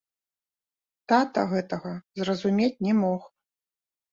Тата гэтага зразумець не мог.